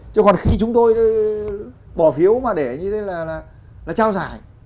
chứ còn khi chúng tôi bỏ phiếu mà để như thế là trao giải